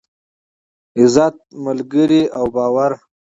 عزت، ملگري او باور.